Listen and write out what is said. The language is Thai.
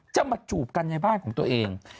จะมาจูบกันในบ้านของตัวเอง